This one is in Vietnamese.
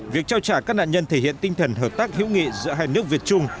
việc trao trả các nạn nhân thể hiện tinh thần hợp tác hữu nghị giữa hai nước việt trung